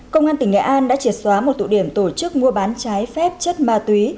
công an tỉnh nghệ an đã triệt xóa một tụ điểm tổ chức mua bán trái phép chất ma túy